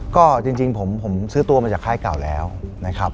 ก็จริงผมซื้อตัวมาจากค่ายเก่าแล้วนะครับ